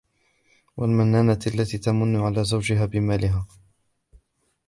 وَالْمَنَّانَةُ الَّتِي تَمُنُّ عَلَى زَوْجِهَا بِمَالِهَا